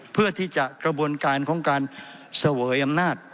เพื่อที่จะกระบวนการของการเสวยอำนาจ